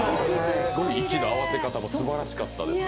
すごい息の合わせ方もすばらしかったです。